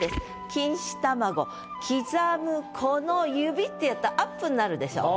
「金糸玉子きざむ子の指」ってやったらアップになるでしょ。